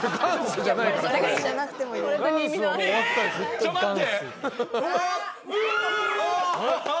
ちょっ待って。